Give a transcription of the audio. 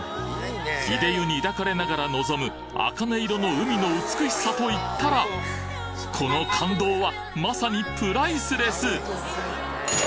いで湯に抱かれながらのぞむあかね色の海の美しさといったらこの感動はまさにプライスレス！